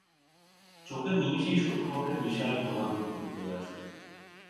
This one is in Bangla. চোখের নিমিষেই শত্রুপক্ষের মিশাইল তোমাদের দিকে ধেয়ে আসবে।